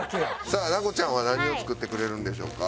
さあ奈子ちゃんは何を作ってくれるんでしょうか？